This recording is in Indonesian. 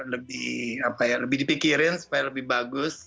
lebih apa ya lebih dipikirin supaya lebih bagus